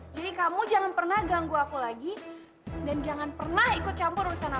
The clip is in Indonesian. jadi kamu jangan pernah ganggu aku lagi dan jangan pernah ikut campur urusan aku